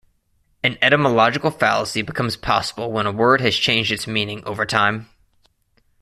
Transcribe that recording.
An etymological fallacy becomes possible when a word has changed its meaning over time.